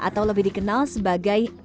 atau lebih dikenal sebagai nahpa kita